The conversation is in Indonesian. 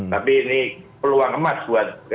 tapi ini peluang emas buat